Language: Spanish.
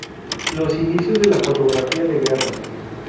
Los inicios de la fotografía de guerra.